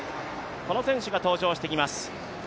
この選手が登場してきます。